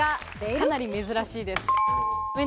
かなり珍しいです。